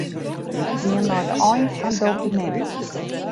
Gean nei de ein fan dokumint.